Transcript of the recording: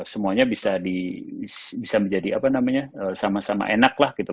semuanya bisa menjadi apa namanya sama sama enak lah gitu